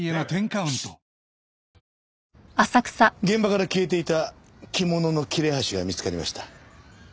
現場から消えていた着物の切れ端が見つかりました。